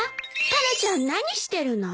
タラちゃん何してるの？